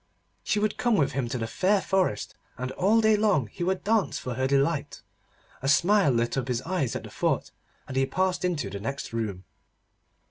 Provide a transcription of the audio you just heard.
She would come with him to the fair forest, and all day long he would dance for her delight. A smile lit up his eyes at the thought, and he passed into the next room.